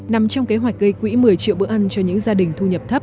nằm trong kế hoạch gây quỹ một mươi triệu bữa ăn cho những gia đình thu nhập thấp